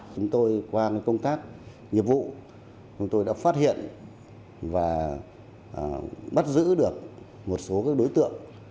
chúng tôi qua công tác nghiệp vụ chúng tôi đã phát hiện và bắt giữ được một số đối tượng